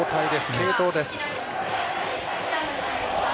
継投です。